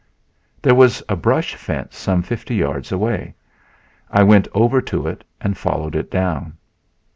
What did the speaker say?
"There was a brush fence some fifty yards away. I went over to it and followed it down.